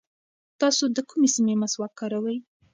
تاسو د کومې سیمې مسواک کاروئ؟